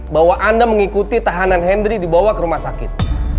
bahwa anda mengikuti tahanan henry dibawa ke rumah sakit